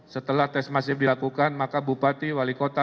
setelah tes masif dilakukan maka bupati wali kota